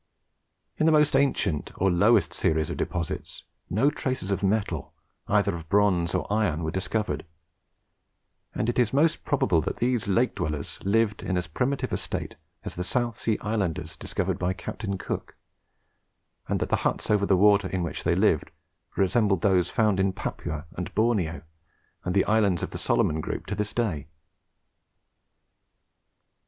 In the most ancient, or lowest series of deposits, no traces of metal, either of bronze or iron, were discovered; and it is most probable that these lake dwellers lived in as primitive a state as the South Sea islanders discovered by Captain Cook, and that the huts over the water in which they lived resembled those found in Papua and Borneo, and the islands of the Salomon group, to this day.